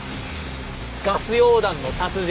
ガス溶断の達人。